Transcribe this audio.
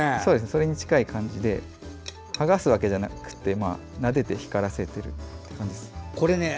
それに近い感じで剥がすわけじゃなくてなでて光らせてる感じです。